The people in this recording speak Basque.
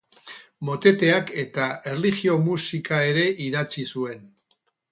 Moteteak eta erlijio-musika ere idatzi zuen.